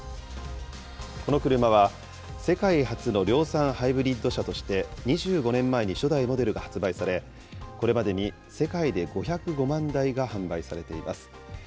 この車は、世界初の量産ハイブリッド車として、２５年前に初代モデルが発売され、これまでに世界で５０５万台が販売されています。